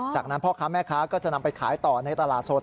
จากนั้นพ่อค้าแม่ค้าก็จะนำไปขายต่อในตลาดสด